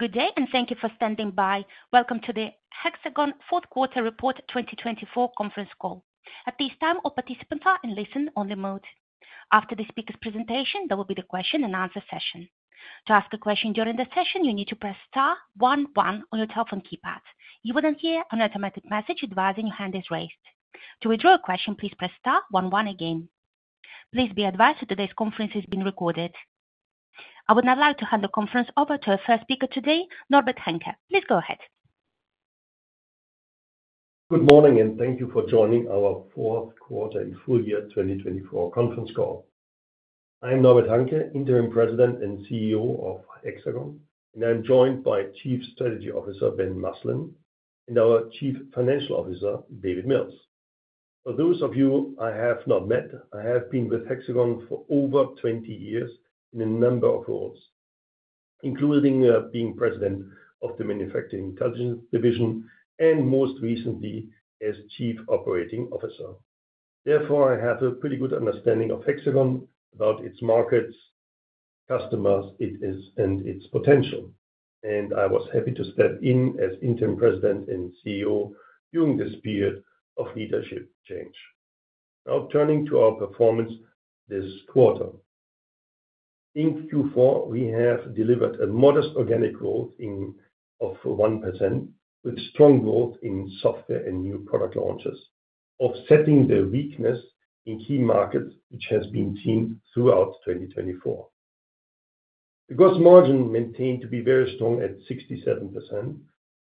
Good day, and thank you for standing by. Welcome to the Hexagon Fourth Quarter Report 2024 conference call. At this time, all participants are in listen-only mode. After the speaker's presentation, there will be the question-and-answer session. To ask a question during the session, you need to press star one one on your telephone keypad. You will then hear an automatic message advising your hand is raised. To withdraw a question, please press star one one again. Please be advised that today's conference is being recorded. I would now like to hand the conference over to our first speaker today, Norbert Hanke. Please go ahead. Good morning, and thank you for joining our Fourth Quarter and Full Year 2024 conference call. I am Norbert Hanke, Interim President and CEO of Hexagon, and I am joined by Chief Strategy Officer Ben Maslen, and our Chief Financial Officer, David Mills. For those of you I have not met, I have been with Hexagon for over 20 years in a number of roles, including being President of the Manufacturing Intelligence Division and, most recently, as Chief Operating Officer. Therefore, I have a pretty good understanding of Hexagon, about its markets, customers, and its potential, and I was happy to step in as Interim President and CEO during this period of leadership change. Now, turning to our performance this quarter, in Q4, we have delivered a modest organic growth of 1% with strong growth in software and new product launches, offsetting the weakness in key markets which has been seen throughout 2024. The gross margin maintained to be very strong at 67%,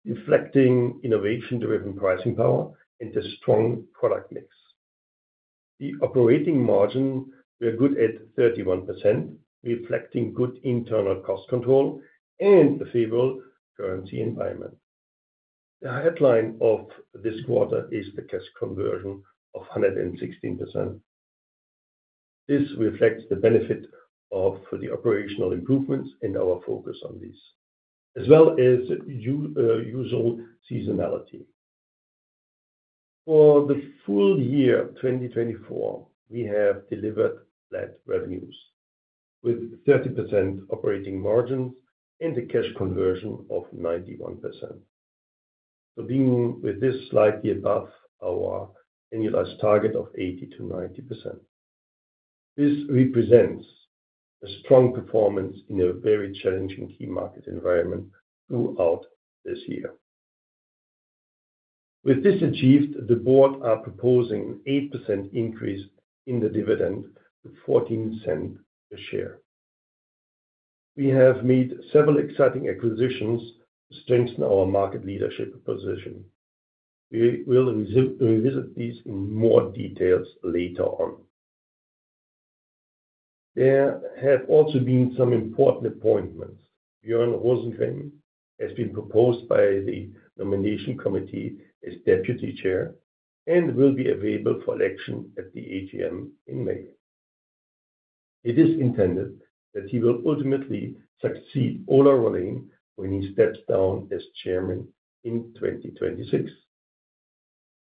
reflecting innovation-driven pricing power and a strong product mix. The operating margin were good at 31%, reflecting good internal cost control and a favorable currency environment. The headline of this quarter is the cash conversion of 116%. This reflects the benefit of the operational improvements and our focus on this, as well as usual seasonality. For the full year 2024, we have delivered flat revenues with 30% operating margins and a cash conversion of 91%. Starting with this slightly above our annualized target of 80%-90%, this represents a strong performance in a very challenging key market environment throughout this year. With this achieved, the board are proposing an 8% increase in the dividend to 0.14 per share. We have made several exciting acquisitions to strengthen our market leadership position. We will revisit these in more detail later on. There have also been some important appointments. Björn Rosengren has been proposed by the nomination committee as Deputy Chair and will be available for election at the AGM in May. It is intended that he will ultimately succeed Ola Rollén when he steps down as Chairman in 2026.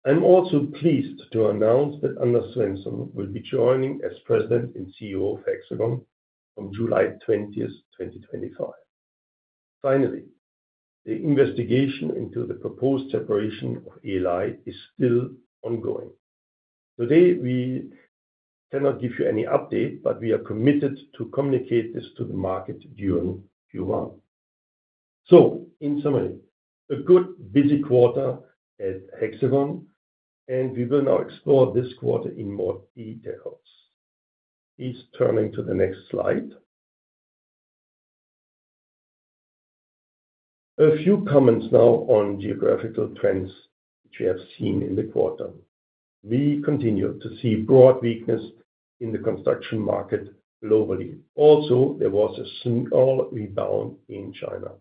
I'm also pleased to announce that Anders Svensson will be joining as President and CEO of Hexagon from July 20th, 2025. Finally, the investigation into the proposed separation of ALI is still ongoing. Today, we cannot give you any update, but we are committed to communicate this to the market during Q1. So, in summary, a good busy quarter at Hexagon, and we will now explore this quarter in more details. Please turn to the next slide. A few comments now on geographical trends which we have seen in the quarter. We continue to see broad weakness in the construction market globally. Also, there was a small rebound in China.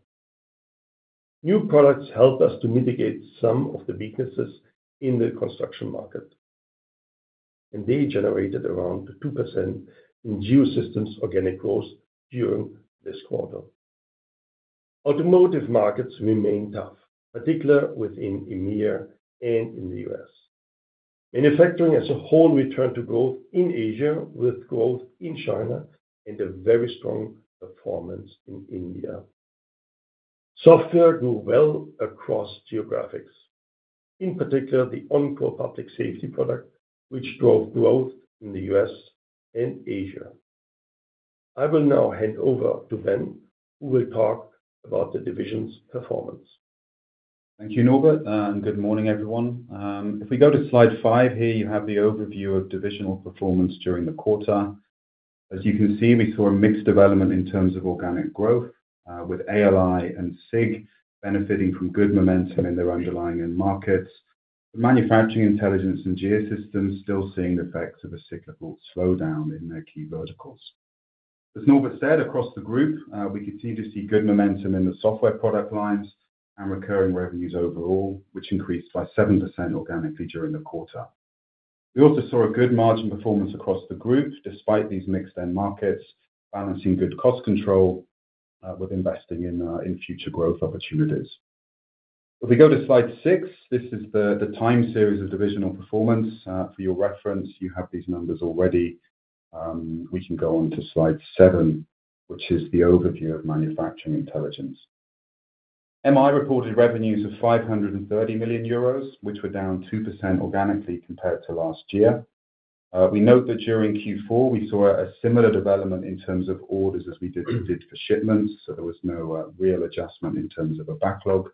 New products helped us to mitigate some of the weaknesses in the construction market, and they generated around 2% in Geosystems organic growth during this quarter. Automotive markets remain tough, particularly within EMEA and in the U.S. Manufacturing as a whole returned to growth in Asia, with growth in China and a very strong performance in India. Software grew well across geographies, in particular the OnCall Public Safety product, which drove growth in the U.S. and Asia. I will now hand over to Ben, who will talk about the division's performance. Thank you, Norbert, and good morning, everyone. If we go to slide five here, you have the overview of divisional performance during the quarter. As you can see, we saw a mixed development in terms of organic growth, with ALI and SIG benefiting from good momentum in their underlying end markets. Manufacturing Intelligence and Geosystems still seeing the effects of a cyclical slowdown in their key verticals. As Norbert said, across the group, we continue to see good momentum in the software product lines and recurring revenues overall, which increased by 7% organically during the quarter. We also saw a good margin performance across the group, despite these mixed end markets, balancing good cost control with investing in future growth opportunities. If we go to slide six, this is the time series of divisional performance. For your reference, you have these numbers already. We can go on to slide seven, which is the overview of Manufacturing Intelligence. MI reported revenues of 530 million euros, which were down 2% organically compared to last year. We note that during Q4, we saw a similar development in terms of orders as we did for shipments, so there was no real adjustment in terms of a backlog.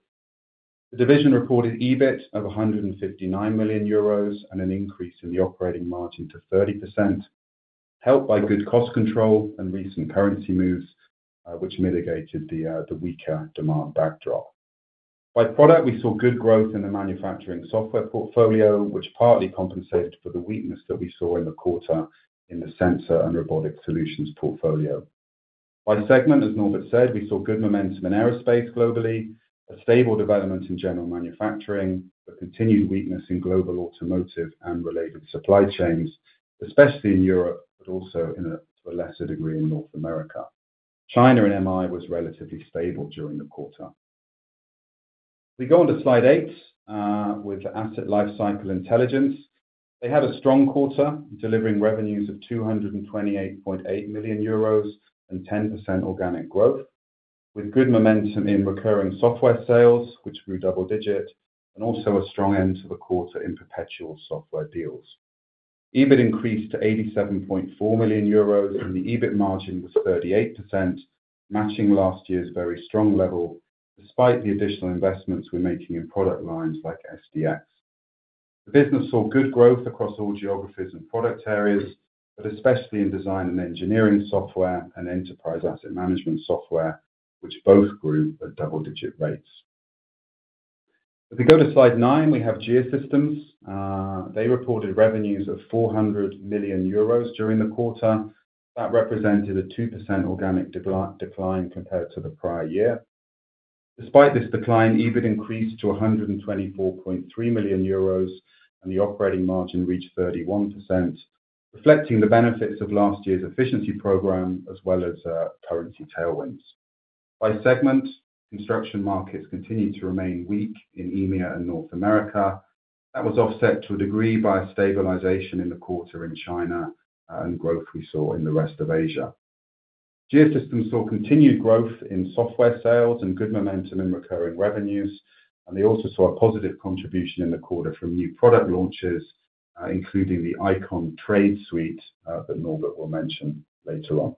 The division reported EBIT of 159 million euros and an increase in the operating margin to 30%, helped by good cost control and recent currency moves, which mitigated the weaker demand backdrop. By product, we saw good growth in the manufacturing software portfolio, which partly compensated for the weakness that we saw in the quarter in the sensor and robotic solutions portfolio. By segment, as Norbert said, we saw good momentum in aerospace globally, a stable development in general manufacturing, but continued weakness in global automotive and related supply chains, especially in Europe, but also to a lesser degree in North America. China and MI was relatively stable during the quarter. We go on to slide eight with Asset Lifecycle Intelligence. They had a strong quarter, delivering revenues of 228.8 million euros and 10% organic growth, with good momentum in recurring software sales, which grew double-digit, and also a strong end to the quarter in perpetual software deals. EBIT increased to 87.4 million euros, and the EBIT margin was 38%, matching last year's very strong level, despite the additional investments we're making in product lines like SDx. The business saw good growth across all geographies and product areas, but especially in design and engineering software and enterprise asset management software, which both grew at double-digit rates. If we go to slide nine, we have Geosystems. They reported revenues of 400 million euros during the quarter. That represented a 2% organic decline compared to the prior year. Despite this decline, EBIT increased to 224.3 million euros, and the operating margin reached 31%, reflecting the benefits of last year's efficiency program as well as currency tailwinds. By segment, construction markets continued to remain weak in EMEA and North America. That was offset to a degree by stabilization in the quarter in China and growth we saw in the rest of Asia. Geosystems saw continued growth in software sales and good momentum in recurring revenues, and they also saw a positive contribution in the quarter from new product launches, including the iCON trades that Norbert will mention later on.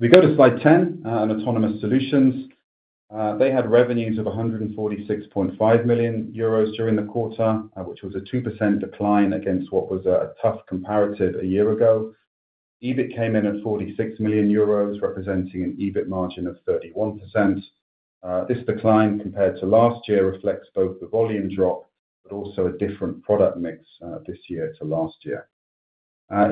We go to slide 10, and Autonomous Solutions. They had revenues of 146.5 million euros during the quarter, which was a 2% decline against what was a tough comparative a year ago. EBIT came in at 46 million euros, representing an EBIT margin of 31%. This decline, compared to last year, reflects both the volume drop but also a different product mix this year to last year.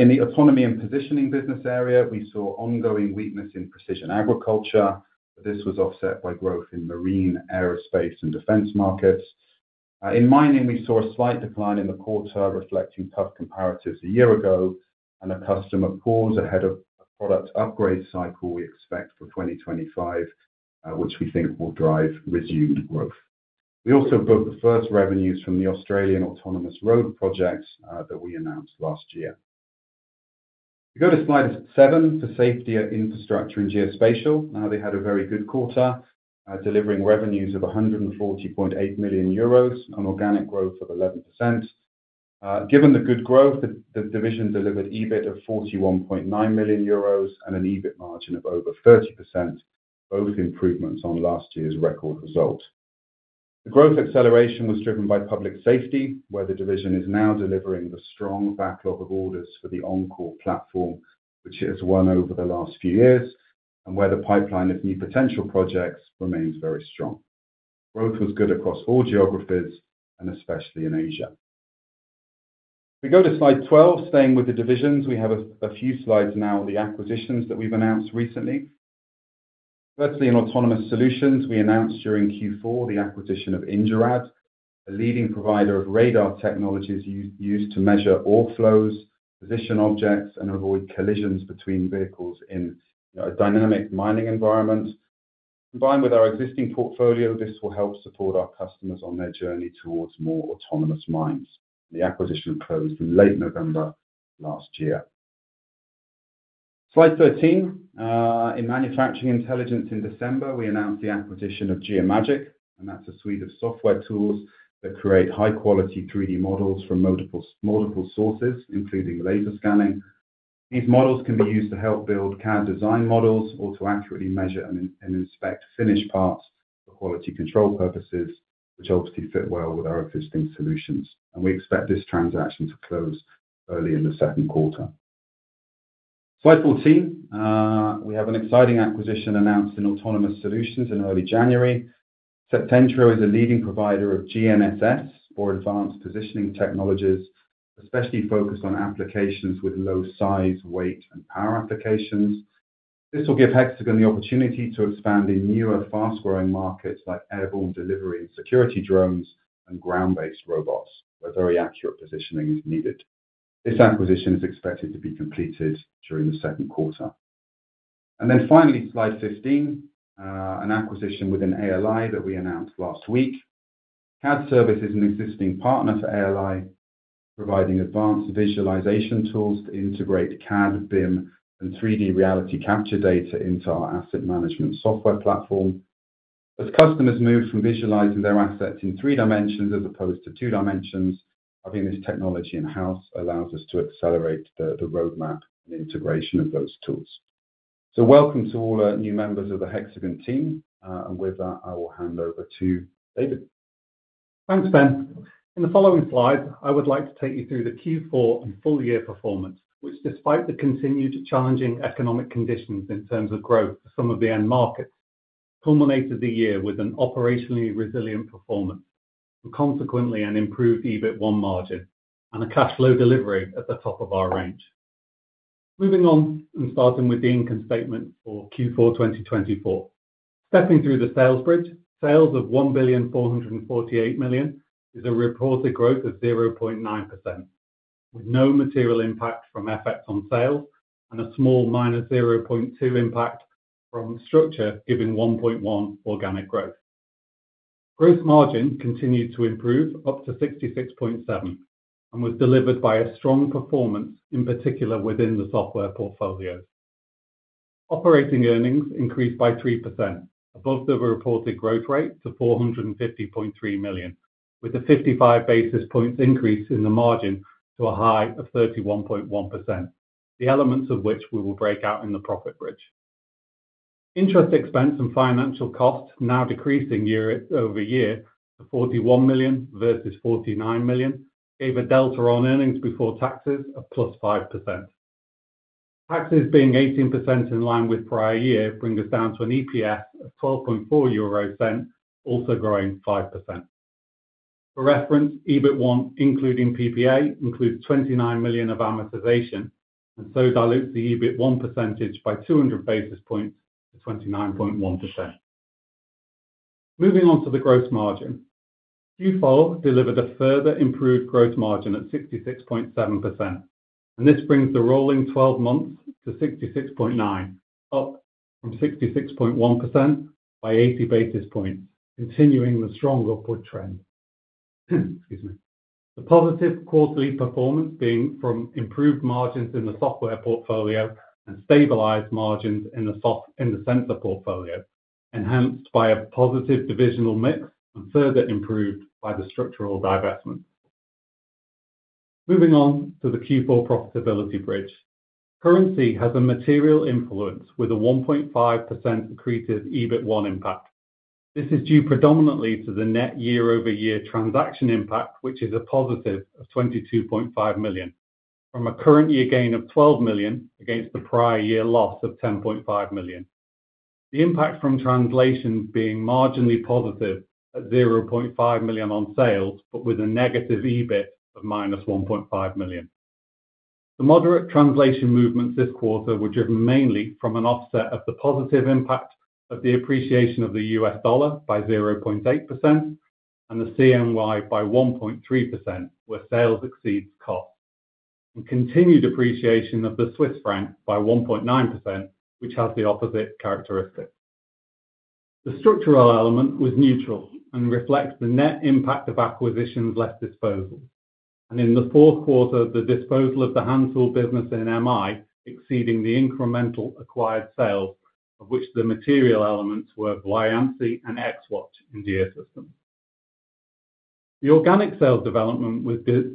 In the autonomy and positioning business area, we saw ongoing weakness in precision agriculture, but this was offset by growth in marine, aerospace, and defense markets. In mining, we saw a slight decline in the quarter, reflecting tough comparatives a year ago, and a customer pause ahead of a product upgrade cycle we expect for 2025, which we think will drive resumed growth. We also booked the first revenues from the Australian autonomous road projects that we announced last year. We go to slide seven for Safety, Infrastructure & Geospatial. They had a very good quarter, delivering revenues of 140.8 million euros and organic growth of 11%. Given the good growth, the division delivered EBIT of 41.9 million euros and an EBIT margin of over 30%, both improvements on last year's record result. The growth acceleration was driven by public safety, where the division is now delivering the strong backlog of orders for the OnCall platform, which it has won over the last few years, and where the pipeline of new potential projects remains very strong. Growth was good across all geographies, and especially in Asia. We go to slide 12, staying with the divisions. We have a few slides now of the acquisitions that we've announced recently. Firstly, in Autonomous Solutions, we announced during Q4 the acquisition of indurad, a leading provider of radar technologies used to measure ore flows, position objects, and avoid collisions between vehicles in a dynamic mining environment. Combined with our existing portfolio, this will help support our customers on their journey towards more autonomous mines. The acquisition closed in late November last year. Slide 13. In Manufacturing Intelligence in December, we announced the acquisition of Geomagic, and that's a suite of software tools that create high-quality 3D models from multiple sources, including laser scanning. These models can be used to help build CAD design models or to accurately measure and inspect finished parts for quality control purposes, which obviously fit well with our existing solutions, and we expect this transaction to close early in the second quarter. Slide 14. We have an exciting acquisition announced in Autonomous Solutions in early January. Septentrio is a leading provider of GNSS for advanced positioning technologies, especially focused on applications with low size, weight, and power applications. This will give Hexagon the opportunity to expand in newer fast-growing markets like airborne delivery and security drones and ground-based robots, where very accurate positioning is needed. This acquisition is expected to be completed during the second quarter, and then finally, slide 15, an acquisition within ALI that we announced last week. CAD-Service is an existing partner for ALI, providing advanced visualization tools to integrate CAD, BIM, and 3D Reality Capture data into our asset management software platform. As customers move from visualizing their assets in three dimensions as opposed to two dimensions, having this technology in-house allows us to accelerate the roadmap and integration of those tools. So welcome to all our new members of the Hexagon team. And with that, I will hand over to David. Thanks, Ben. In the following slides, I would like to take you through the Q4 and full year performance, which, despite the continued challenging economic conditions in terms of growth for some of the end markets, culminated the year with an operationally resilient performance and consequently an improved EBIT1 margin and a cash flow delivery at the top of our range. Moving on and starting with the income statement for Q4 2024. Stepping through the sales bridge, sales of 1,448,000,000 is a reported growth of 0.9%, with no material impact from effects on sales and a small -0.2% impact from structure, giving 1.1% organic growth. Gross margin continued to improve up to 66.7% and was delivered by a strong performance, in particular within the software portfolios. Operating earnings increased by 3% above the reported growth rate to 450.3 million, with a 55 basis points increase in the margin to a high of 31.1%, the elements of which we will break out in the profit bridge. Interest expense and financial costs now decreasing year-over-year to 41 million versus 49 million gave a delta on earnings before taxes of +5%. Taxes being 18% in line with prior year bring us down to an EPS of 12.4 euro, also growing 5%. For reference, EBIT1, including PPA, includes 29 million of amortization and so dilutes the EBIT1 percentage by 200 basis points to 29.1%. Moving on to the gross margin, Q4 delivered a further improved gross margin at 66.7%, and this brings the rolling 12 months to 66.9, up from 66.1% by 80 basis points, continuing the strong upward trend. Excuse me. The positive quarterly performance being from improved margins in the software portfolio and stabilized margins in the sensor portfolio, enhanced by a positive divisional mix and further improved by the structural divestments. Moving on to the Q4 profitability bridge. Currency has a material influence with a 1.5% accretive EBIT1 impact. This is due predominantly to the net year-over-year transaction impact, which is a positive of 22.5 million, from a current year gain of 12 million against the prior year loss of 10.5 million. The impact from translation being marginally positive at 0.5 million on sales, but with a negative EBIT of -1.5 million. The moderate translation movements this quarter were driven mainly from an offset of the positive impact of the appreciation of the U.S. dollar by 0.8% and the CNY by 1.3%, where sales exceeds cost, and continued appreciation of the Swiss franc by 1.9%, which has the opposite characteristic. The structural element was neutral and reflects the net impact of acquisitions less disposals. And in the fourth quarter, the disposal of the hand tool business in MI exceeding the incremental acquired sales, of which the material elements were Voyansi and Xwatch in geosystems. The organic sales development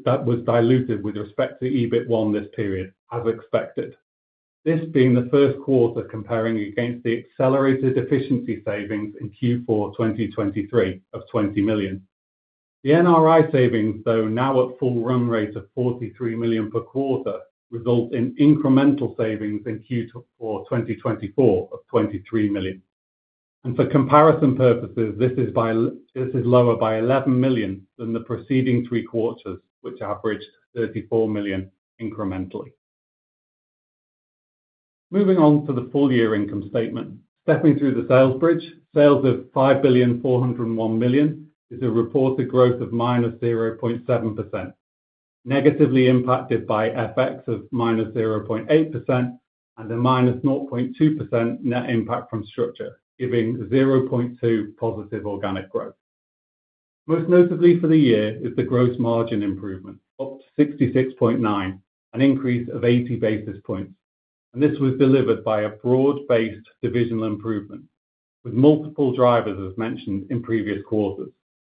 that was diluted with respect to EBIT1 this period, as expected. This being the first quarter comparing against the accelerated efficiency savings in Q4 2023 of 20 million. The NRI savings, though now at full run rate of 43 million per quarter, result in incremental savings in Q4 2024 of 23 million. And for comparison purposes, this is lower by 11 million than the preceding three quarters, which averaged 34 million incrementally. Moving on to the full year income statement, stepping through the sales bridge, sales of 5,401,000,000 is a reported growth of -0.7%, negatively impacted by FX of -0.8% and a -0.2% net impact from structure, giving 0.2+ organic growth. Most notably for the year is the gross margin improvement, up to 66.9, an increase of 80 basis points. And this was delivered by a broad-based divisional improvement, with multiple drivers, as mentioned in previous quarters,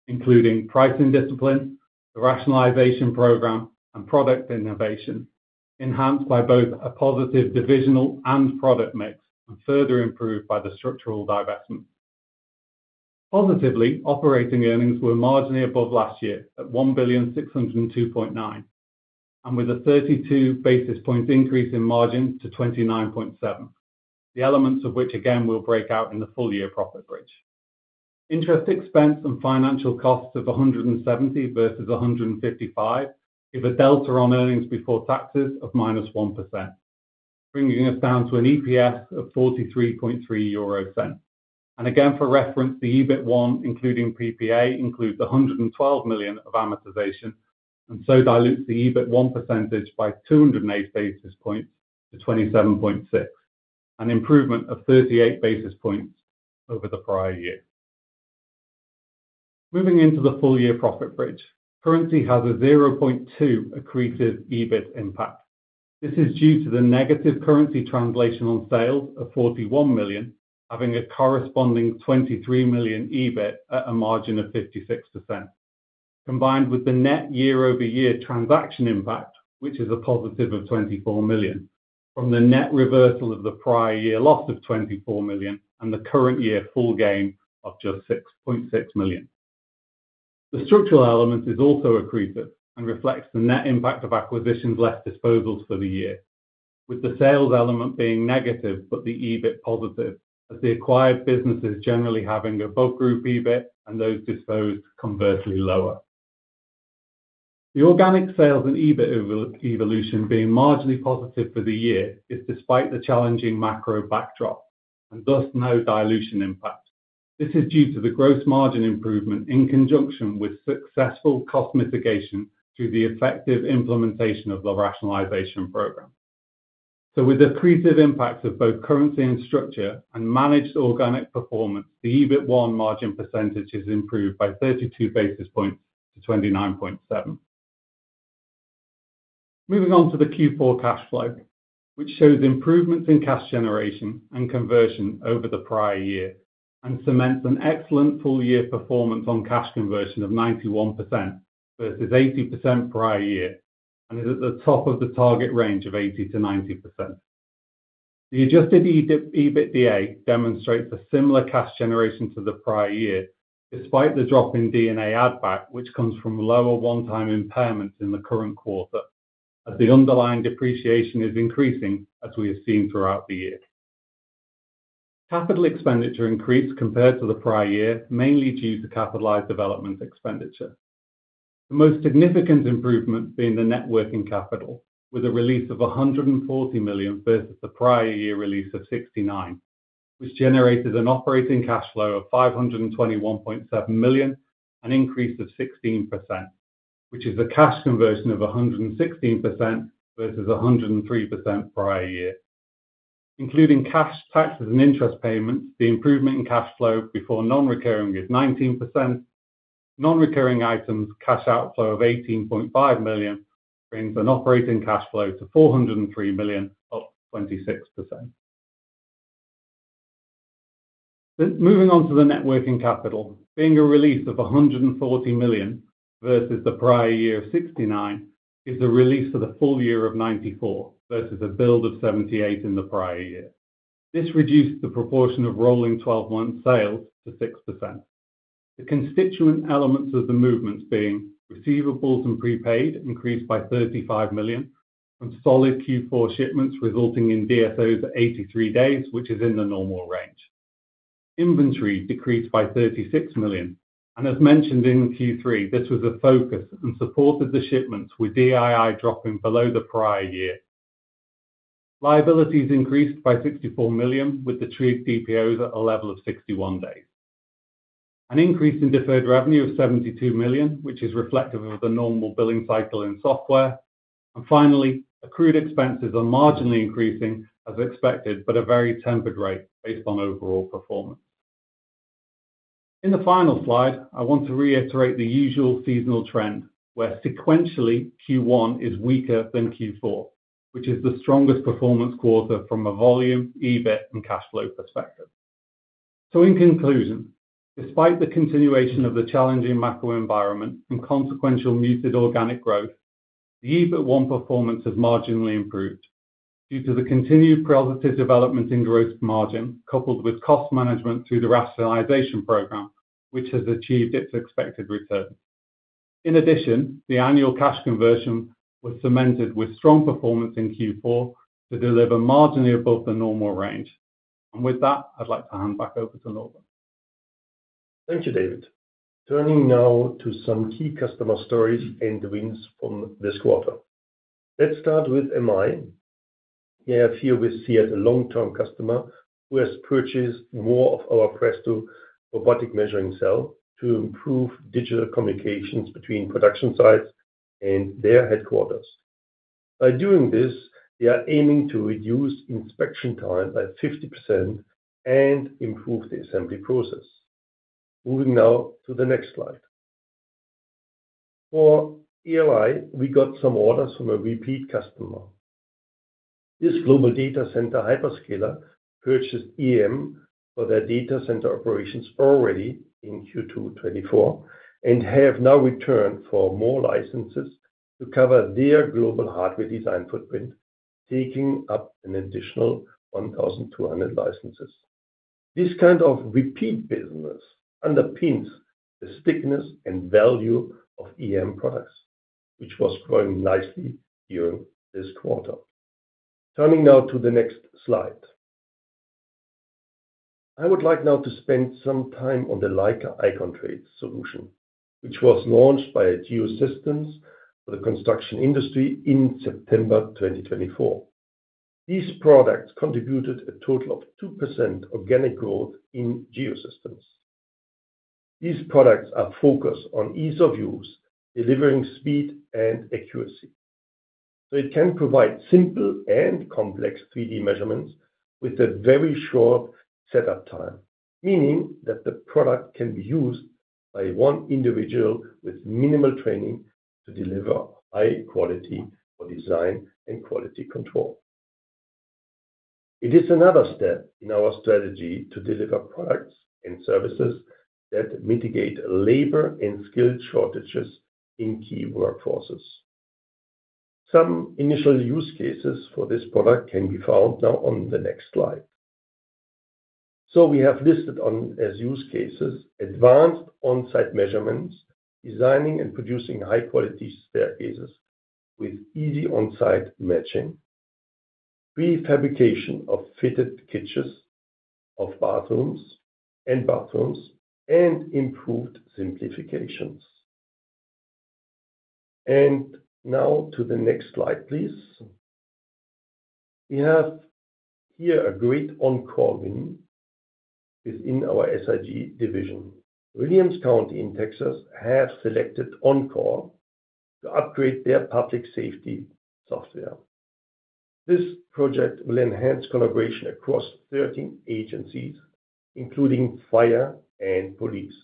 including pricing discipline, the rationalization program, and product innovation, enhanced by both a positive divisional and product mix, and further improved by the structural divestment. Positively, operating earnings were marginally above last year at 1,602.9, and with a 32 basis points increase in margin to 29.7%, the elements of which again will break out in the full year profit bridge. Interest expense and financial costs of 170 versus 155 give a delta on earnings before taxes of -1%, bringing us down to an EPS of 43.3 euro. And again, for reference, the EBIT1, including PPA, includes 112 million of amortization and so dilutes the EBIT1 percentage by 280 basis points to 27.6%, an improvement of 38 basis points over the prior year. Moving into the full year profit bridge, currency has a 0.2 accretive EBIT impact. This is due to the negative currency translation on sales of 41 million, having a corresponding 23 million EBIT at a margin of 56%, combined with the net year-over-year transaction impact, which is a positive of 24 million, from the net reversal of the prior year loss of 24 million and the current year full gain of just 6.6 million. The structural element is also accretive and reflects the net impact of acquisitions less disposals for the year, with the sales element being negative but the EBIT positive, as the acquired businesses generally having a bulk group EBIT and those disposed conversely lower. The organic sales and EBIT evolution being marginally positive for the year is despite the challenging macro backdrop and thus no dilution impact. This is due to the gross margin improvement in conjunction with successful cost mitigation through the effective implementation of the rationalization program. With accretive impacts of both currency and structure and managed organic performance, the EBIT1 margin percentage is improved by 32 basis points to 29.7%. Moving on to the Q4 cash flow, which shows improvements in cash generation and conversion over the prior year and cements an excellent full year performance on cash conversion of 91% versus 80% prior year and is at the top of the target range of 80%-90%. The adjusted EBITDA demonstrates a similar cash generation to the prior year, despite the drop in D&A addback, which comes from lower one-time impairments in the current quarter, as the underlying depreciation is increasing, as we have seen throughout the year. Capital expenditure increased compared to the prior year, mainly due to capitalized development expenditure. The most significant improvement being the net working capital, with a release of 140 million versus the prior year release of 69, which generated an operating cash flow of 521.7 million and increased of 16%, which is a cash conversion of 116% versus 103% prior year. Including cash, taxes, and interest payments, the improvement in cash flow before non-recurring is 19%. Non-recurring items cash outflow of 18.5 million brings an operating cash flow to 403 million, up 26%. Moving on to the net working capital, being a release of 140 million versus the prior year of 69 is a release for the full year of 2024 versus a build of 78 in the prior year. This reduced the proportion of rolling 12 months sales to 6%. The constituent elements of the movements being receivables and prepaid increased by 35 million from solid Q4 shipments, resulting in DSOs at 83 days, which is in the normal range. Inventory decreased by 36 million. And as mentioned in Q3, this was a focus and supported the shipments with DII dropping below the prior year. Liabilities increased by 64 million, with the treated DPOs at a level of 61 days. An increase in deferred revenue of 72 million, which is reflective of the normal billing cycle in software. And finally, accrued expenses are marginally increasing, as expected, but at a very tempered rate based on overall performance. In the final slide, I want to reiterate the usual seasonal trend, where sequentially Q1 is weaker than Q4, which is the strongest performance quarter from a volume, EBIT, and cash flow perspective. So in conclusion, despite the continuation of the challenging macro environment and consequential muted organic growth, the EBIT1 performance has marginally improved due to the continued positive development in gross margin, coupled with cost management through the rationalization program, which has achieved its expected return. In addition, the annual cash conversion was cemented with strong performance in Q4 to deliver marginally above the normal range. And with that, I'd like to hand back over to Norbert. Thank you, David. Turning now to some key customer stories and wins from this quarter. Let's start with MI. Here we see a long-term customer who has purchased more of our Presto robotic measuring cell to improve digital communications between production sites and their headquarters. By doing this, they are aiming to reduce inspection time by 50% and improve the assembly process. Moving now to the next slide. For ALI, we got some orders from a repeat customer. This global data center hyperscaler purchased EAM for their data center operations already in Q2 2024 and have now returned for more licenses to cover their global hardware design footprint, taking up an additional 1,200 licenses. This kind of repeat business underpins the stickiness and value of EAM products, which was growing nicely during this quarter. Turning now to the next slide. I would like now to spend some time on the Leica iCON trades solution, which was launched by Leica Geosystems for the construction industry in September 2024. These products contributed a total of 2% organic growth in Geosystems. These products are focused on ease of use, delivering speed and accuracy. So it can provide simple and complex 3D measurements with a very short setup time, meaning that the product can be used by one individual with minimal training to deliver high quality for design and quality control. It is another step in our strategy to deliver products and services that mitigate labor and skill shortages in key workforces. Some initial use cases for this product can be found now on the next slide. So we have listed as use cases advanced on-site measurements, designing and producing high-quality spare cases with easy on-site matching, prefabrication of fitted kitchens and bathrooms, and improved simplifications. Now to the next slide, please. We have here a great OnCall win within our SIG division. Williamson County in Texas has selected OnCall to upgrade their public safety software. This project will enhance collaboration across 13 agencies, including fire and police,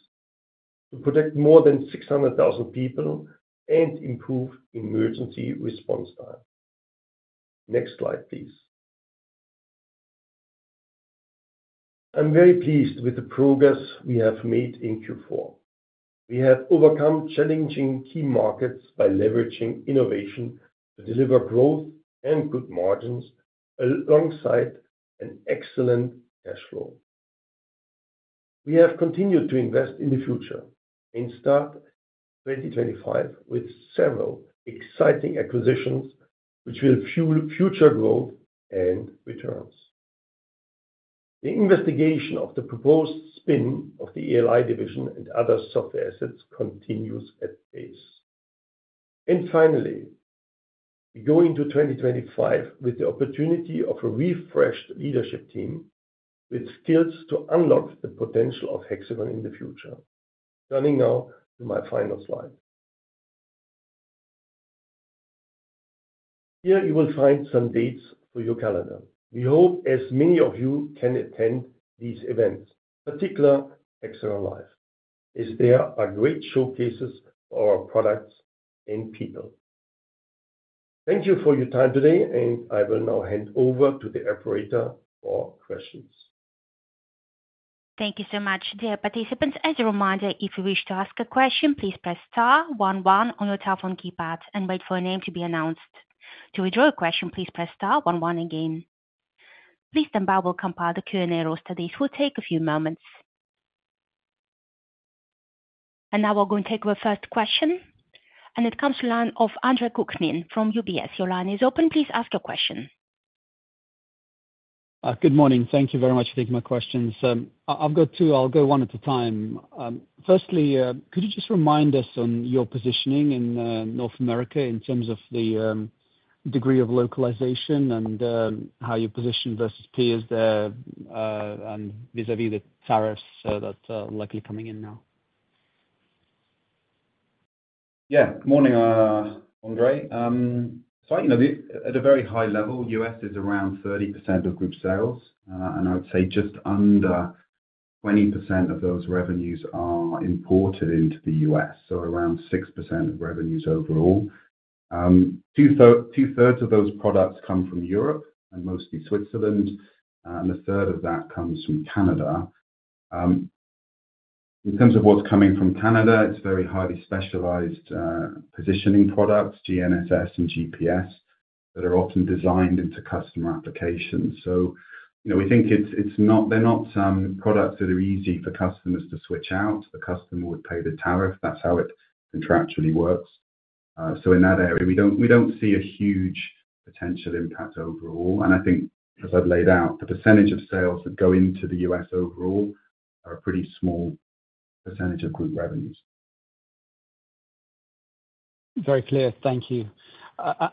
to protect more than 600,000 people and improve emergency response time. Next slide, please. I'm very pleased with the progress we have made in Q4. We have overcome challenging key markets by leveraging innovation to deliver growth and good margins alongside an excellent cash flow. We have continued to invest in the future and start 2025 with several exciting acquisitions, which will fuel future growth and returns. The investigation of the proposed spin of the ALI division and other software assets continues at pace. And finally, we go into 2025 with the opportunity of a refreshed leadership team with skills to unlock the potential of Hexagon in the future. Turning now to my final slide. Here you will find some dates for your calendar. We hope as many of you can attend these events, particularly HxGN LIVE, as there are great showcases of our products and people. Thank you for your time today, and I will now hand over to the operator for questions. Thank you so much, dear participants. As a reminder, if you wish to ask a question, please press star one one on your telephone keypad and wait for your name to be announced. To withdraw a question, please press star one one again. Please then we'll be compiling the Q&A roster. It will take a few moments. And now we're going to take our first question, and it comes to the line of Andre Kukhnin from UBS. Your line is open. Please ask your question. Good morning. Thank you very much for taking my questions. I've got two. I'll go one at a time. Firstly, could you just remind us on your positioning in North America in terms of the degree of localization and how you're positioned versus peers there and vis-à-vis the tariffs that are likely coming in now? Yeah, good morning, Andre. So at a very high level, the U.S. is around 30% of group sales, and I would say just under 20% of those revenues are imported into the U.S., so around 6% of revenues overall. Two-thirds of those products come from Europe and mostly Switzerland, and a 1/3 of that comes from Canada. In terms of what's coming from Canada, it's very highly specialized positioning products, GNSS and GPS, that are often designed into customer applications. So we think they're not products that are easy for customers to switch out. The customer would pay the tariff. That's how it contractually works. So in that area, we don't see a huge potential impact overall. And I think, as I've laid out, the percentage of sales that go into the U.S. overall are a pretty small percentage of group revenues. Very clear. Thank you.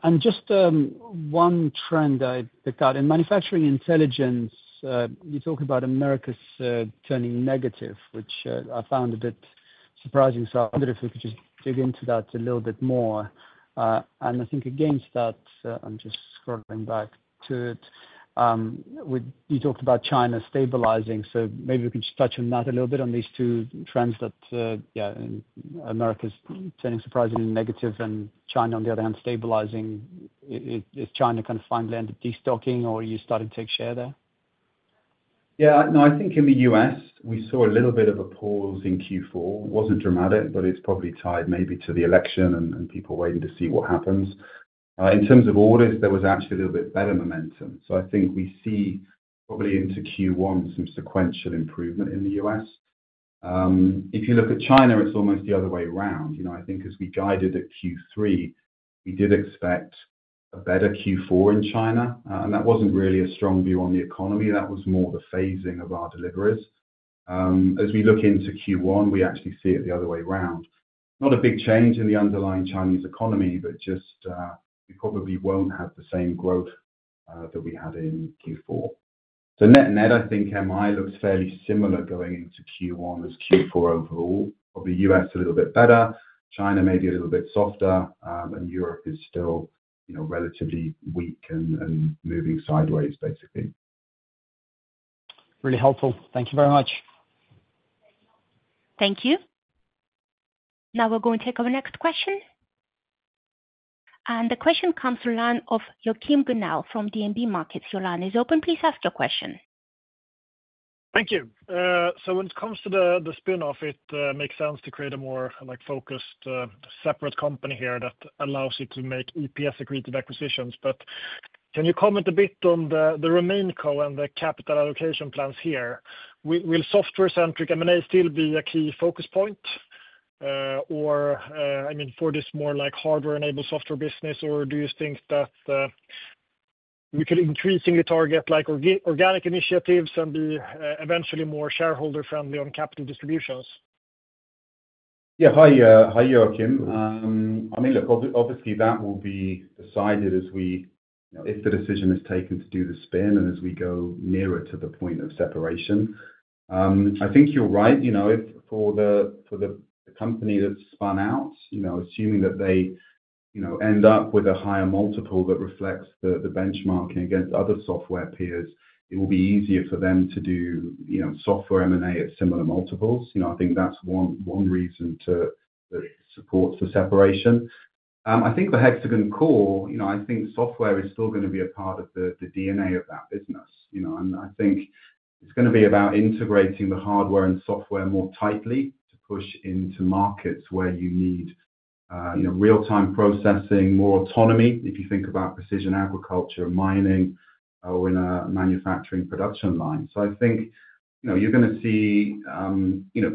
And just one trend I picked out in Manufacturing Intelligence, you talk about America's turning negative, which I found a bit surprising. So I wonder if we could just dig into that a little bit more. And I think against that, I'm just scrolling back to it, you talked about China stabilizing. So maybe we can just touch on that a little bit on these two trends that, yeah, America's turning surprisingly negative and China, on the other hand, stabilizing. Is China kind of finally ended destocking, or are you starting to take share there? Yeah, no, I think in the U.S., we saw a little bit of a pause in Q4. It wasn't dramatic, but it's probably tied maybe to the election and people waiting to see what happens. In terms of orders, there was actually a little bit better momentum. So I think we see probably into Q1 some sequential improvement in the U.S.. If you look at China, it's almost the other way around. I think as we guided at Q3, we did expect a better Q4 in China, and that wasn't really a strong view on the economy. That was more the phasing of our deliveries. As we look into Q1, we actually see it the other way around. Not a big change in the underlying Chinese economy, but just we probably won't have the same growth that we had in Q4. Net-net, I think MI looks fairly similar going into Q1 as Q4 overall. Probably U.S. a little bit better, China maybe a little bit softer, and Europe is still relatively weak and moving sideways, basically. Really helpful. Thank you very much. Thank you. Now we're going to take our next question. And the question comes to the line of Joachim Gunell from DNB Markets. Your line is open. Please ask your question. Thank you. When it comes to the spin-off, it makes sense to create a more focused separate company here that allows you to make EPS-accretive acquisitions. But can you comment a bit on the remaining core and the capital allocation plans here? Will software-centric M&A still be a key focus point? Or I mean, for this more hardware-enabled software business, or do you think that we could increasingly target organic initiatives and be eventually more shareholder-friendly on capital distributions? Yeah, hi, Joachim. I mean, look, obviously that will be decided if the decision is taken to do the spin and as we go nearer to the point of separation. I think you're right. For the company that's spun out, assuming that they end up with a higher multiple that reflects the benchmarking against other software peers, it will be easier for them to do software M&A at similar multiples. I think that's one reason that supports the separation. I think for Hexagon Core, I think software is still going to be a part of the DNA of that business. And I think it's going to be about integrating the hardware and software more tightly to push into markets where you need real-time processing, more autonomy if you think about precision agriculture and mining or in a manufacturing production line. I think you're going to see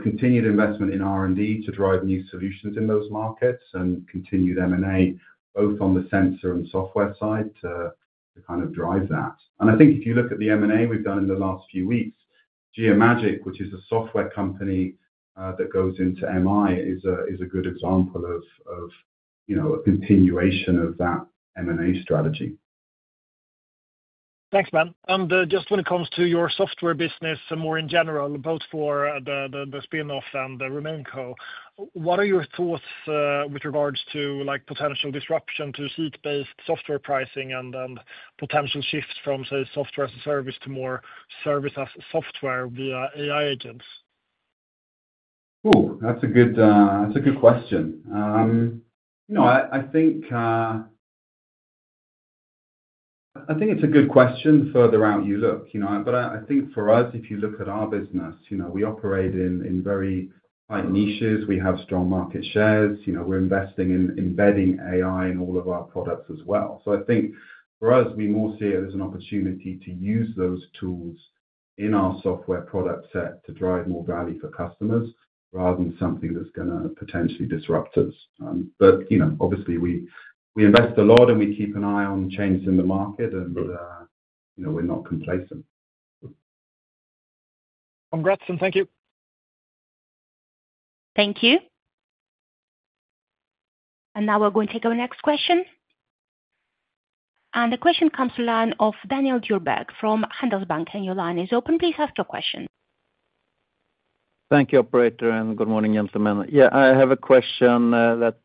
continued investment in R&D to drive new solutions in those markets and continued M&A both on the sensor and software side to kind of drive that. I think if you look at the M&A we've done in the last few weeks, Geomagic, which is a software company that goes into MI, is a good example of a continuation of that M&A strategy. Thanks, man. And just when it comes to your software business more in general, both for the spin-off and the remain co, what are your thoughts with regards to potential disruption to seat-based software pricing and potential shifts from, say, software as a service to more service as software via AI agents? Oh, that's a good question. I think it's a good question the further out you look. But I think for us, if you look at our business, we operate in very tight niches. We have strong market shares. We're investing in embedding AI in all of our products as well. So I think for us, we more see it as an opportunity to use those tools in our software product set to drive more value for customers rather than something that's going to potentially disrupt us. But obviously, we invest a lot and we keep an eye on changes in the market, and we're not complacent. Congrats and thank you. Thank you. And now we're going to take our next question. And the question comes to the line of Daniel Djurberg from Handelsbanken. Your line is open. Please ask your question. Thank you, Operator, and good morning, gentlemen. Yeah, I have a question that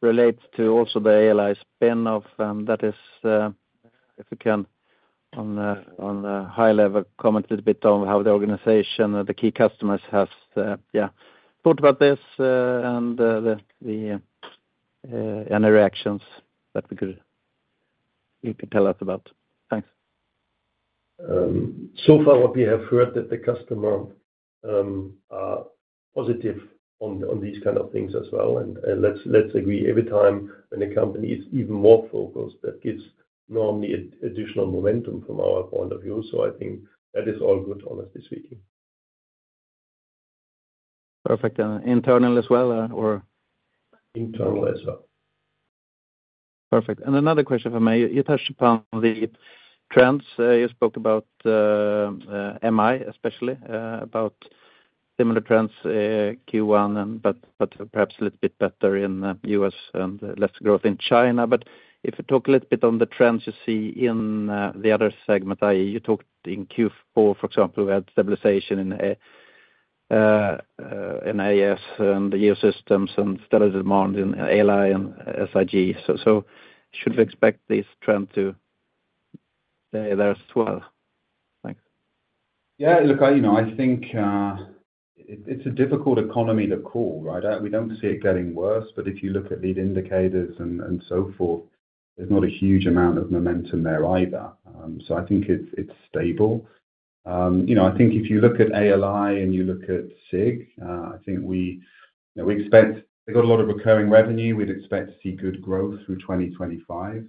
relates to also the ALI spin-off. That is, if you can, on a high-level comment a little bit on how the organization, the key customers have, yeah, thought about this and the reactions that you could tell us about. Thanks. So far, what we have heard is that the customers are positive on these kinds of things as well. And let's agree, every time when a company is even more focused, that gives normally additional momentum from our point of view. So I think that is all good, honestly speaking. Perfect. And internal as well, or? Internal as well. Perfect. And another question for me. You touched upon the trends. You spoke about MI, especially about similar trends Q1, but perhaps a little bit better in the U.S. and less growth in China. But if you talk a little bit on the trends you see in the other segment, i.e., you talked in Q4, for example, we had stabilization in AS and the Geosystems and still a demand in ALI and SIG. So should we expect this trend to stay there as well? Thanks. Yeah, look, I think it's a difficult economy to call, right? We don't see it getting worse. But if you look at these indicators and so forth, there's not a huge amount of momentum there either. So I think it's stable. I think if you look at ALI and you look at SIG, I think we expect they've got a lot of recurring revenue. We'd expect to see good growth through 2025,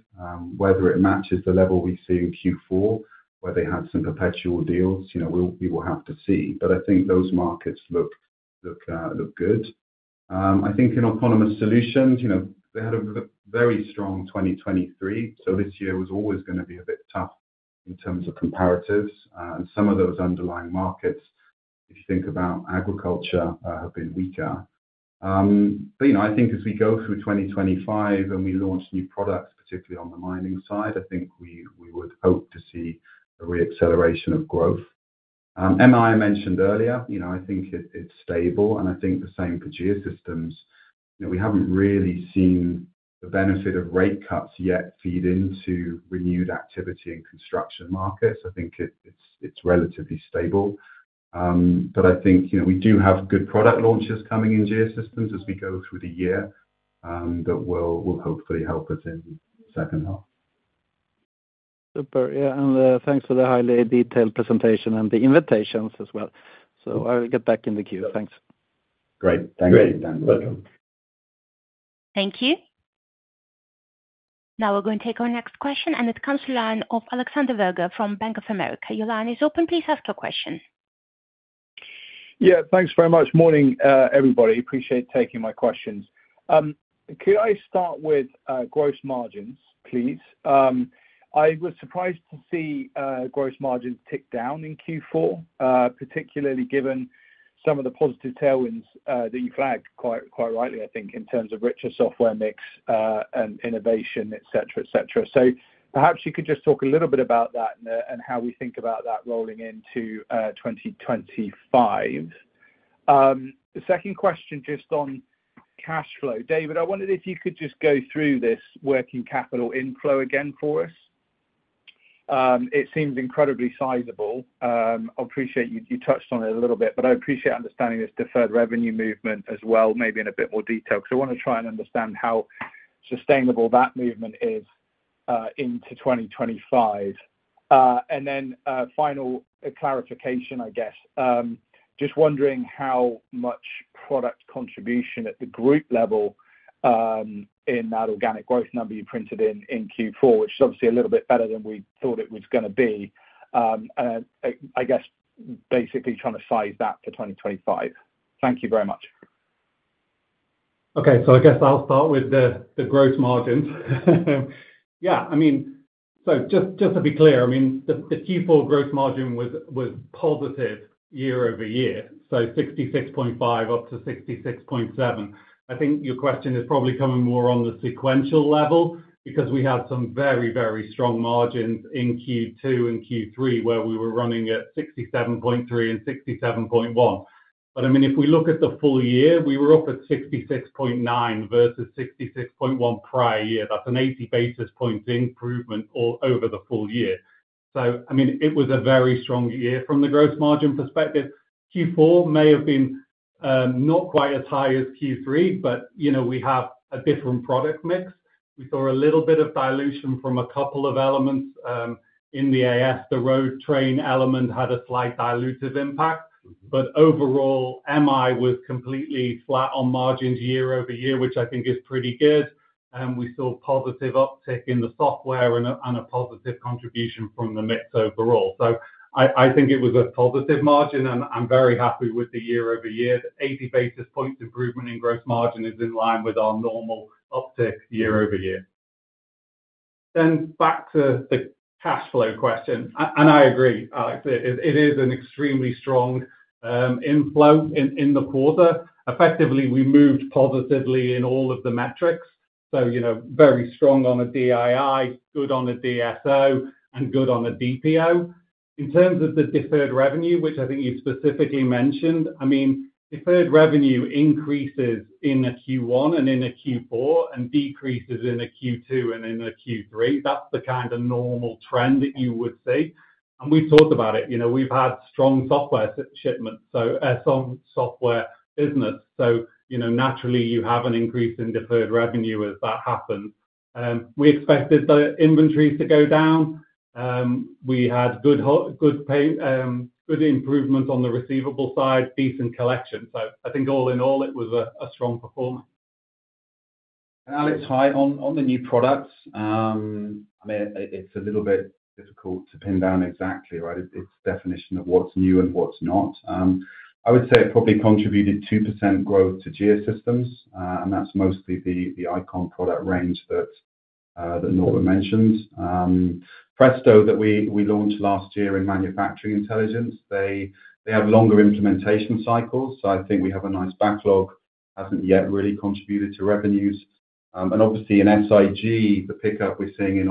whether it matches the level we see in Q4, where they had some perpetual deals. We will have to see. But I think those markets look good. I think in Autonomous Solutions, they had a very strong 2023. So this year was always going to be a bit tough in terms of comparatives. And some of those underlying markets, if you think about agriculture, have been weaker. But I think as we go through 2025 and we launch new products, particularly on the mining side, I think we would hope to see a reacceleration of growth. MI, I mentioned earlier, I think it's stable. And I think the same for Geosystems. We haven't really seen the benefit of rate cuts yet feed into renewed activity in construction markets. I think it's relatively stable. But I think we do have good product launches coming in Geosystems as we go through the year that will hopefully help us in the second half. Super. Yeah, and thanks for the highly detailed presentation and the invitations as well. So I'll get back in the queue. Thanks. Great. Thanks, Daniel. Thank you. Now we're going to take our next question, and it comes to the line of Alexander Virgo from Bank of America. Your line is open. Please ask your question. Yeah, thanks very much. Morning, everybody. Appreciate taking my questions. Could I start with gross margins, please? I was surprised to see gross margins tick down in Q4, particularly given some of the positive tailwinds that you flagged quite rightly, I think, in terms of richer software mix and innovation, etc., etc. So perhaps you could just talk a little bit about that and how we think about that rolling into 2025. The second question just on cash flow. David, I wondered if you could just go through this working capital inflow again for us. It seems incredibly sizable. I appreciate you touched on it a little bit, but I appreciate understanding this deferred revenue movement as well, maybe in a bit more detail, because I want to try and understand how sustainable that movement is into 2025, and then final clarification, I guess. Just wondering how much product contribution at the group level in that organic growth number you printed in Q4, which is obviously a little bit better than we thought it was going to be, and I guess basically trying to size that for 2025. Thank you very much. Okay, so I guess I'll start with the gross margins. Yeah, I mean, so just to be clear, I mean, the Q4 gross margin was positive year-over-year, so 66.5% up to 66.7%. I think your question is probably coming more on the sequential level because we had some very, very strong margins in Q2 and Q3 where we were running at 67.3% and 67.1%. But I mean, if we look at the full year, we were up at 66.9% versus 66.1% prior year. That's an 80 basis point improvement over the full year. So I mean, it was a very strong year from the gross margin perspective. Q4 may have been not quite as high as Q3, but we have a different product mix. We saw a little bit of dilution from a couple of elements in the AS. The road train element had a slight dilutive impact. But overall, MI was completely flat on margins year-over-year, which I think is pretty good. And we saw positive uptick in the software and a positive contribution from the mix overall. So I think it was a positive margin, and I'm very happy with the year-over-year. The 80 basis point improvement in gross margin is in line with our normal uptick year-over-year. Then back to the cash flow question. And I agree, Alex. It is an extremely strong inflow in the quarter. Effectively, we moved positively in all of the metrics. So very strong on a DII, good on a DSO, and good on a DPO. In terms of the deferred revenue, which I think you specifically mentioned, I mean, deferred revenue increases in Q1 and in Q4 and decreases in Q2 and in Q3. That's the kind of normal trend that you would see. We've talked about it. We've had strong software shipments, so software business. Naturally, you have an increase in deferred revenue as that happens. We expected the inventories to go down. We had good improvement on the receivable side, decent collection. I think all in all, it was a strong performance. Alex, high on the new products. I mean, it's a little bit difficult to pin down exactly, right? It's definition of what's new and what's not. I would say it probably contributed 2% growth to Geosystems. And that's mostly the iCON product range that Norbert mentioned. Presto, that we launched last year in Manufacturing Intelligence, they have longer implementation cycles. So I think we have a nice backlog. Hasn't yet really contributed to revenues. And obviously, in SIG, the pickup we're seeing in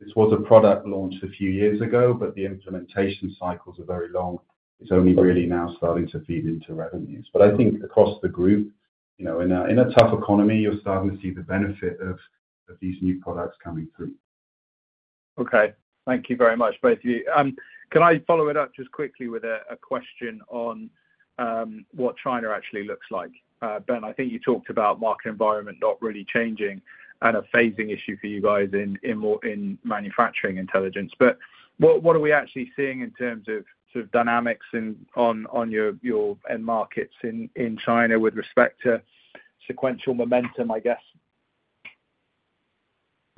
OnCall, this was a product launch a few years ago, but the implementation cycles are very long. It's only really now starting to feed into revenues. But I think across the group, in a tough economy, you're starting to see the benefit of these new products coming through. Okay. Thank you very much, both of you. Can I follow it up just quickly with a question on what China actually looks like? Ben, I think you talked about market environment not really changing and a phasing issue for you guys in Manufacturing Intelligence. But what are we actually seeing in terms of sort of dynamics on your end markets in China with respect to sequential momentum, I guess?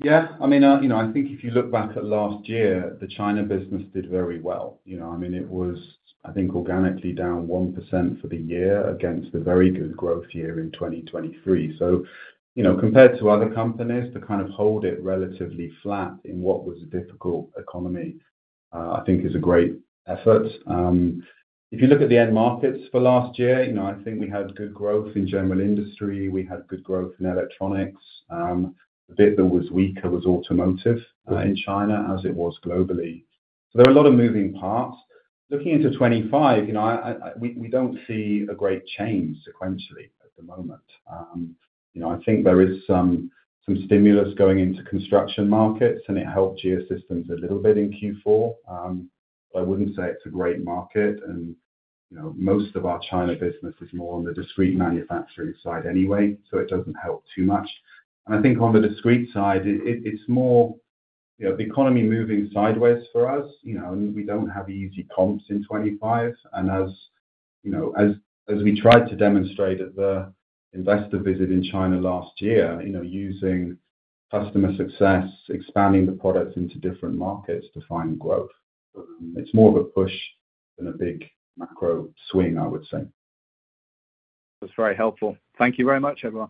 Yeah. I mean, I think if you look back at last year, the China business did very well. I mean, it was, I think, organically down 1% for the year against a very good growth year in 2023. So compared to other companies, to kind of hold it relatively flat in what was a difficult economy, I think, is a great effort. If you look at the end markets for last year, I think we had good growth in general industry. We had good growth in electronics. The bit that was weaker was automotive in China as it was globally. So there were a lot of moving parts. Looking into 2025, we don't see a great change sequentially at the moment. I think there is some stimulus going into construction markets, and it helped Geosystems a little bit in Q4. But I wouldn't say it's a great market. Most of our China business is more on the discrete manufacturing side anyway, so it doesn't help too much. I think on the discrete side, it's more the economy moving sideways for us. We don't have easy comps in 2025. As we tried to demonstrate at the investor visit in China last year, using customer success, expanding the products into different markets to find growth, it's more of a push than a big macro swing, I would say. That's very helpful. Thank you very much, everyone.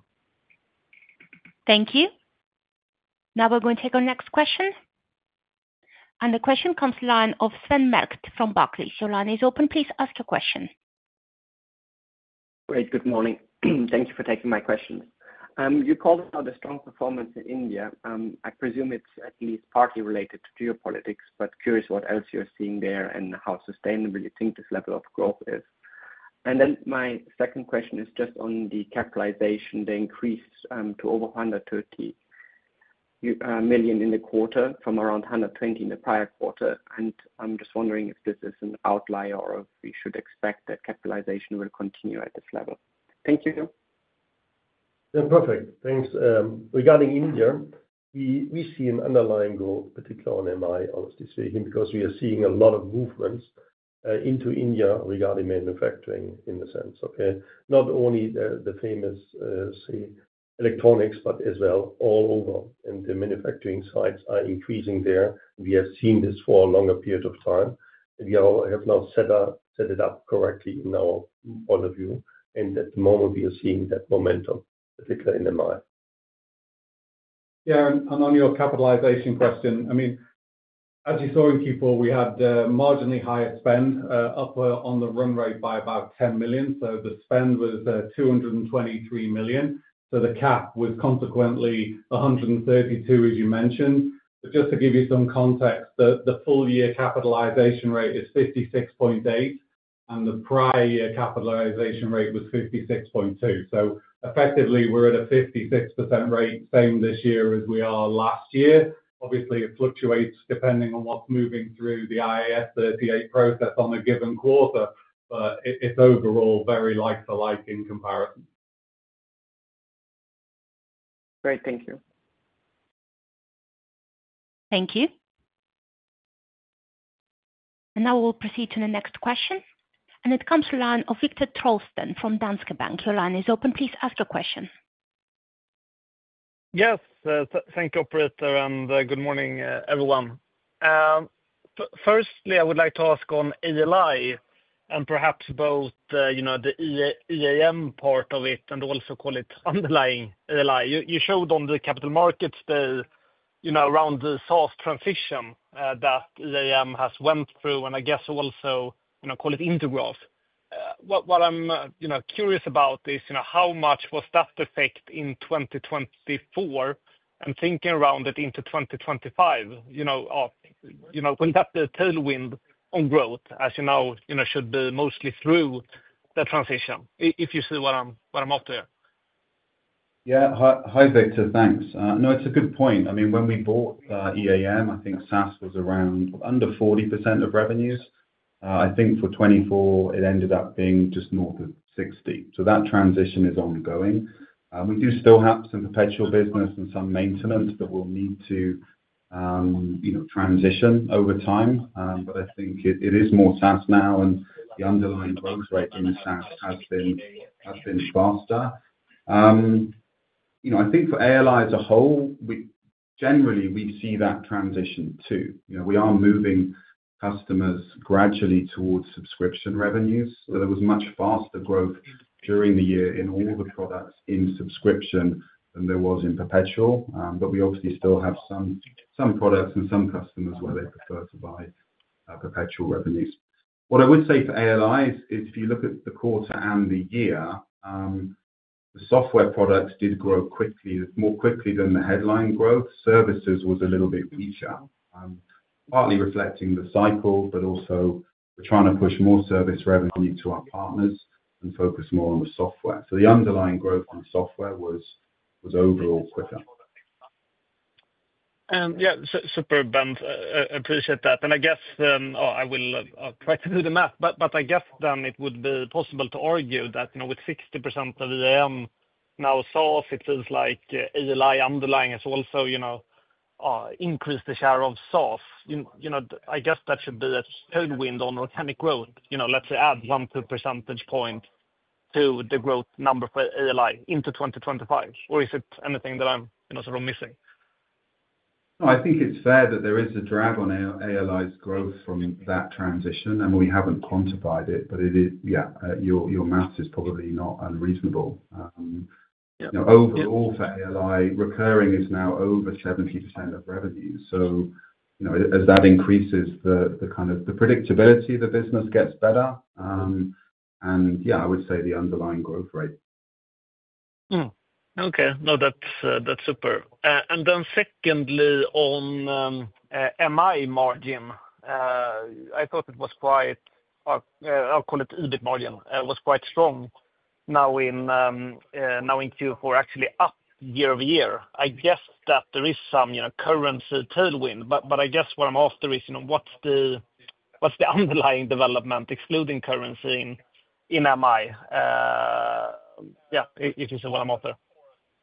Thank you. Now we're going to take our next question. And the question comes to the line of Sven Merkt from Barclays. Your line is open. Please ask your question. Great. Good morning. Thank you for taking my question. You called out the strong performance in India. I presume it's at least partly related to geopolitics, but curious what else you're seeing there and how sustainable you think this level of growth is. And then my second question is just on the capitalization, the increase to over 130 million in the quarter from around 120 million in the prior quarter. And I'm just wondering if this is an outlier or if we should expect that capitalization will continue at this level. Thank you. Yeah, perfect. Thanks. Regarding India, we see an underlying growth, particularly on MI, obviously speaking, because we are seeing a lot of movements into India regarding manufacturing in a sense, okay? Not only the famous electronics, but as well all over. And the manufacturing sites are increasing there. We have seen this for a longer period of time. We have now set it up correctly in our point of view. And at the moment, we are seeing that momentum, particularly in MI. Yeah. And on your capitalization question, I mean, as you saw in Q4, we had marginally higher spend, up on the run rate by about 10 million. So the spend was 223 million. So the cap was consequently 132 million, as you mentioned. But just to give you some context, the full year capitalization rate is 56.8, and the prior year capitalization rate was 56.2. So effectively, we're at a 56% rate, same this year as we are last year. Obviously, it fluctuates depending on what's moving through the IAS 38 process on a given quarter, but it's overall very like-for-like in comparison. Great. Thank you. Thank you. And now we'll proceed to the next question. And it comes to the line of Viktor Trollsten from Danske Bank. Your line is open. Please ask your question. Yes. Thank you, Operator, and good morning, everyone. Firstly, I would like to ask on ALI and perhaps both the EAM part of it and also call it underlying ALI. You showed on the capital markets around the SaaS transition that EAM has went through and I guess also call it Intergraph. What I'm curious about is how much was that effect in 2024 and thinking around it into 2025? Will that be a tailwind on growth, as you know, should be mostly through the transition, if you see what I'm after? Yeah. Hi, Viktor. Thanks. No, it's a good point. I mean, when we bought EAM, I think SaaS was around under 40% of revenues. I think for 2024, it ended up being just north of 60. So that transition is ongoing. We do still have some perpetual business and some maintenance that we'll need to transition over time. But I think it is more SaaS now, and the underlying growth rate in SaaS has been faster. I think for ALI as a whole, generally, we see that transition too. We are moving customers gradually towards subscription revenues. There was much faster growth during the year in all the products in subscription than there was in perpetual. But we obviously still have some products and some customers where they prefer to buy perpetual revenues. What I would say for ALI is if you look at the quarter and the year, the software products did grow quickly, more quickly than the headline growth. Services was a little bit weaker, partly reflecting the cycle, but also we're trying to push more service revenue to our partners and focus more on the software. So the underlying growth in software was overall quicker. Yeah. Superb, Ben. Appreciate that. And I guess I will try to do the math, but I guess then it would be possible to argue that with 60% of EAM now SaaS, it feels like ALI underlying has also increased the share of SaaS. I guess that should be a tailwind on organic growth. Let's say add 1 percentage point to the growth number for ALI into 2025. Or is it anything that I'm sort of missing? I think it's fair that there is a drag on ALI's growth from that transition, and we haven't quantified it, but yeah, your math is probably not unreasonable. Overall, for ALI, recurring is now over 70% of revenue. So as that increases, the kind of predictability of the business gets better. And yeah, I would say the underlying growth rate. Okay. No, that's superb. And then secondly, on MI margin, I thought it was quite, I'll call it EBIT margin, was quite strong now in Q4, actually up year-over-year. I guess that there is some currency tailwind, but I guess what I'm after is what's the underlying development excluding currency in MI? Yeah, if you see what I'm after.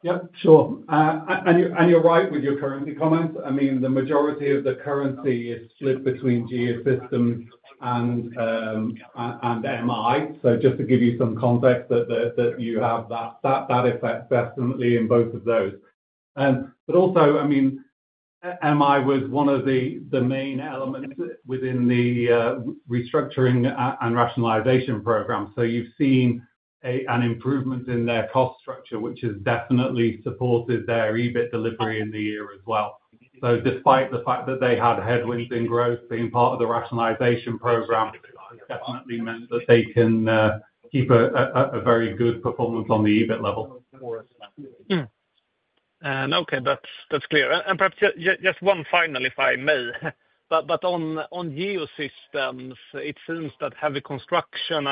Yeah. Sure. And you're right with your currency comments. I mean, the majority of the currency is split between Geosystems and MI. So just to give you some context that you have that effect definitely in both of those. But also, I mean, MI was one of the main elements within the restructuring and rationalization program. So you've seen an improvement in their cost structure, which has definitely supported their EBIT delivery in the year as well. So despite the fact that they had headwinds in growth being part of the rationalization program, it definitely meant that they can keep a very good performance on the EBIT level. Okay. That's clear. And perhaps just one final, if I may. But on Geosystems, it seems that heavy construction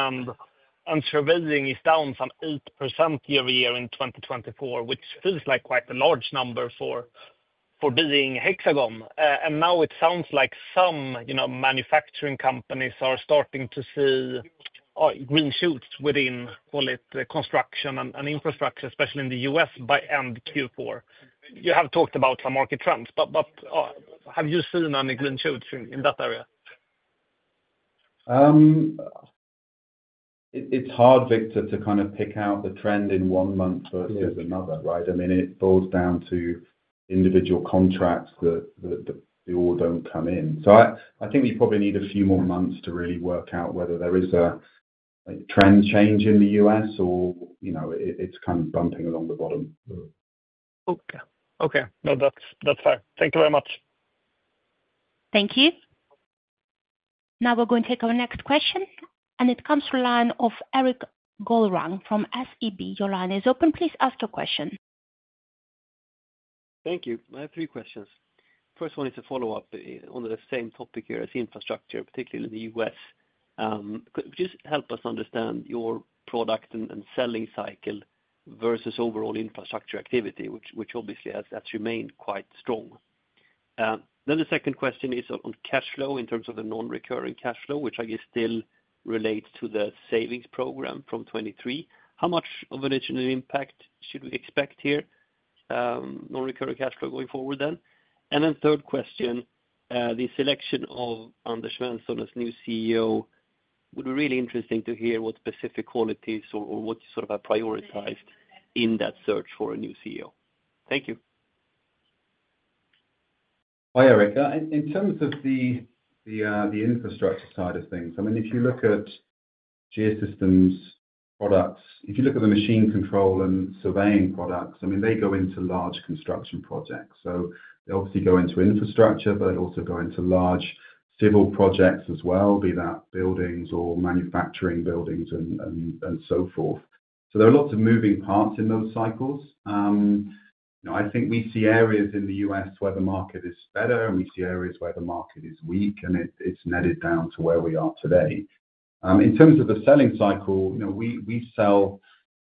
and surveying is down some 8% year-over-year in 2024, which feels like quite a large number for being a Hexagon. And now it sounds like some manufacturing companies are starting to see green shoots within, call it, construction and infrastructure, especially in the U.S. by end Q4. You have talked about some market trends, but have you seen any green shoots in that area? It's hard, Viktor, to kind of pick out the trend in one month versus another, right? I mean, it falls down to individual contracts that all don't come in. So I think we probably need a few more months to really work out whether there is a trend change in the U.S. or it's kind of bumping along the bottom. Okay. Okay. No, that's fine. Thank you very much. Thank you. Now we're going to take our next question. And it comes to the line of Erik Golrang from SEB. Your line is open. Please ask your question. Thank you. I have three questions. First one is a follow-up on the same topic here as infrastructure, particularly in the U.S. Could you just help us understand your product and selling cycle versus overall infrastructure activity, which obviously has remained quite strong? Then the second question is on cash flow in terms of the non-recurring cash flow, which I guess still relates to the savings program from 2023. How much of an additional impact should we expect here, non-recurring cash flow going forward then? And then third question, the selection of Anders Svensson as new CEO would be really interesting to hear what specific qualities or what you sort of have prioritized in that search for a new CEO. Thank you. Hi, Erik. In terms of the infrastructure side of things, I mean, if you look at Geosystems products, if you look at the machine control and surveying products, I mean, they go into large construction projects. So they obviously go into infrastructure, but they also go into large civil projects as well, be that buildings or manufacturing buildings and so forth. So there are lots of moving parts in those cycles. I think we see areas in the U.S. where the market is better, and we see areas where the market is weak, and it's netted down to where we are today. In terms of the selling cycle, we sell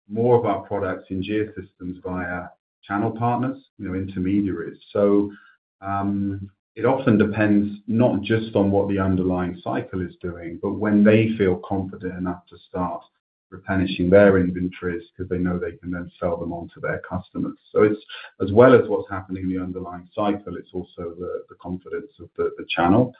more of our products in Geosystems via channel partners, intermediaries. So it often depends not just on what the underlying cycle is doing, but when they feel confident enough to start replenishing their inventories because they know they can then sell them on to their customers. So as well as what's happening in the underlying cycle, it's also the confidence of the channel.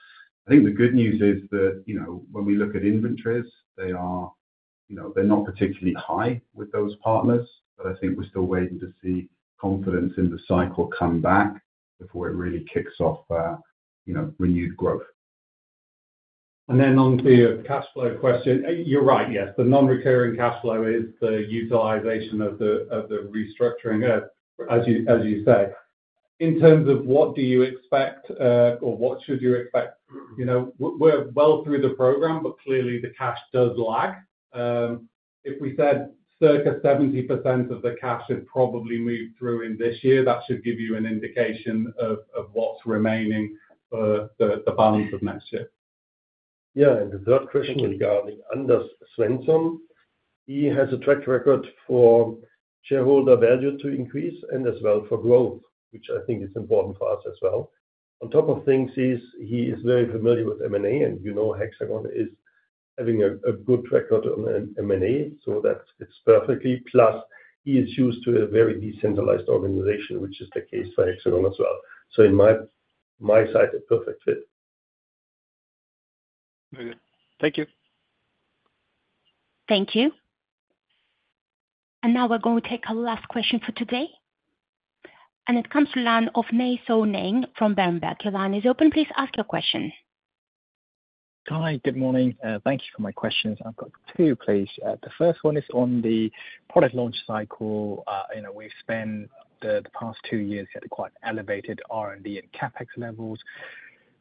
I think the good news is that when we look at inventories, they're not particularly high with those partners, but I think we're still waiting to see confidence in the cycle come back before it really kicks off renewed growth. And then on the cash flow question, you're right, yes. The non-recurring cash flow is the utilization of the restructuring, as you say. In terms of what do you expect or what should you expect? We're well through the program, but clearly the cash does lag. If we said circa 70% of the cash had probably moved through in this year, that should give you an indication of what's remaining for the balance of next year. Yeah. And the third question regarding Anders Svensson, he has a track record for shareholder value to increase and as well for growth, which I think is important for us as well. On top of things, he is very familiar with M&A, and you know Hexagon is having a good record on M&A, so that fits perfectly. Plus, he is used to a very decentralized organization, which is the case for Hexagon as well. So in my sight, a perfect fit. Thank you. Thank you. And now we're going to take our last question for today. And it comes to the line of Nay Soe Naing from Berenberg. Your line is open. Please ask your question. Hi, good morning. Thank you for my questions. I've got two, please. The first one is on the product launch cycle. We've spent the past two years at quite elevated R&D and CapEx levels.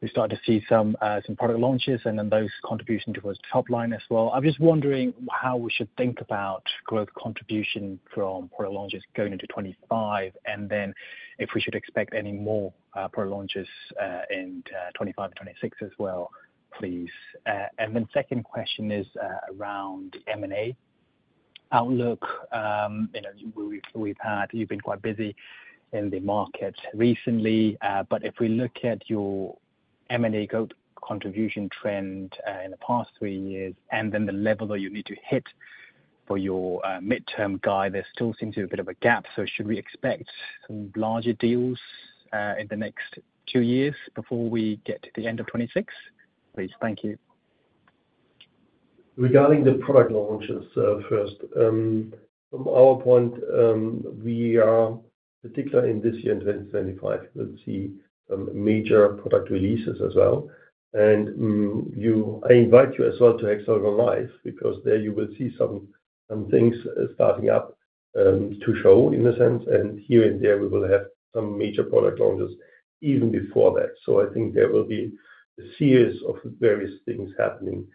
We started to see some product launches, and then those contributions towards the top line as well. I'm just wondering how we should think about growth contribution from product launches going into 2025, and then if we should expect any more product launches in 2025 and 2026 as well, please, and then the second question is around M&A outlook. You've been quite busy in the market recently, but if we look at your M&A growth contribution trend in the past three years and then the level that you need to hit for your midterm guide, there still seems to be a bit of a gap. Should we expect some larger deals in the next two years before we get to the end of 2026? Please, thank you. Regarding the product launches first, from our point, we are particularly in this year in 2025, we'll see major product releases as well, and I invite you as well to HxGN LIVE because there you will see some things starting up to show in a sense, and here and there, we will have some major product launches even before that, so I think there will be a series of various things happening,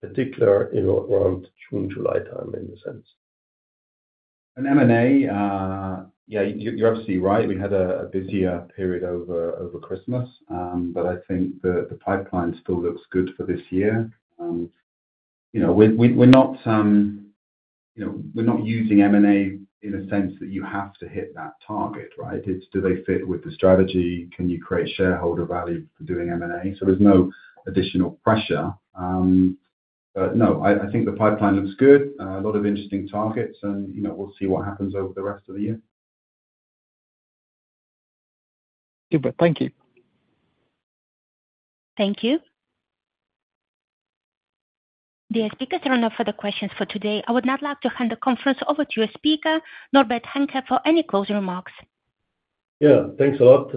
particularly around June, July time in a sense. M&A, yeah, you're absolutely right. We had a busier period over Christmas, but I think the pipeline still looks good for this year. We're not using M&A in a sense that you have to hit that target, right? It's do they fit with the strategy? Can you create shareholder value for doing M&A? There's no additional pressure. No, I think the pipeline looks good. A lot of interesting targets, and we'll see what happens over the rest of the year. Super. Thank you. Thank you. The speakers are now up for the questions for today. I would now like to hand the conference over to your speaker, Norbert Hanke, for any closing remarks. Yeah. Thanks a lot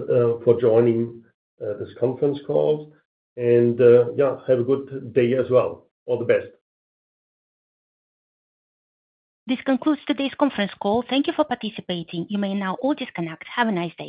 for joining this conference call. Yeah, have a good day as well. All the best. This concludes today's conference call. Thank you for participating. You may now all disconnect. Have a nice day.